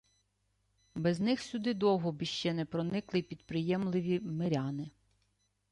Без них сюди довго б іще не проникли й підприємливі миряни